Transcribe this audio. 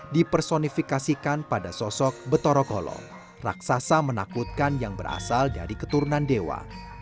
dipersonifikasikan pada sosok betorokolo raksasa menakutkan yang berasal dari keturunan dewa